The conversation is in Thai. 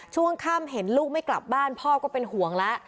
ช่วงค่ำเห็นลูกไม่กลับบ้านพ่อก็เป็นห่วงแล้ว